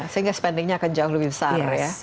sehingga spendingnya akan jauh lebih besar ya